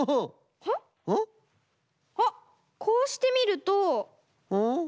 あっこうしてみると。